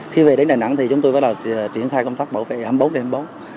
khi về đến đà nẵng thì chúng tôi bắt đầu triển khai công tác bảo vệ hai mươi bốn trên hai mươi bốn